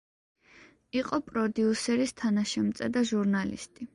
იყო პროდიუსერის თანაშემწე და ჟურნალისტი.